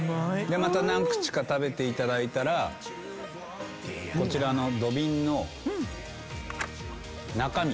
また何口か食べたらこちらの土瓶の中身。